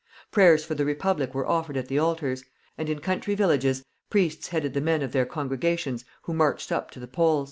Prayers for the Republic were offered at the altars, and in country villages priests headed the men of their congregations who marched up to the polls.